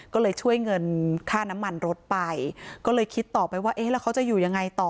ก็เลยช่วยเงินค่าน้ำมันรถไปก็เลยคิดต่อไปว่าเอ๊ะแล้วเขาจะอยู่ยังไงต่อ